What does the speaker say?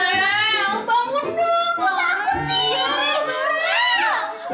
ah ilang berat